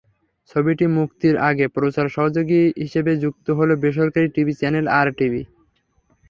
ছবিটি মুক্তির আগে প্রচার সহযোগী হিসেবে যুক্ত হলো বেসরকারি টিভি চ্যানেল আরটিভি।